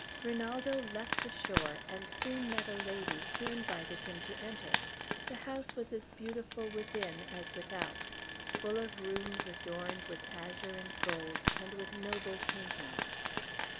Rinaldo leapt ashore, and soon met a lady, who invited him to enter. The house was as beautiful within as without, full of rooms adorned with azure and gold, and with noble paintings.